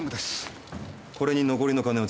これに残りの金を詰めて。